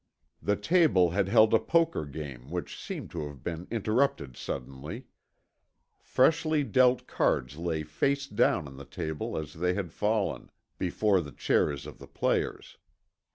The table had held a poker game which seemed to have been interrupted suddenly. Freshly dealt cards lay face down on the table as they had fallen, before the chairs of the players.